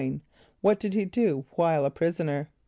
= What did he do while a prisoner?